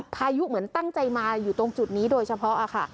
พายุเหมือนตั้งใจมาอยู่ตรงจุดนี้โดยเฉพาะค่ะ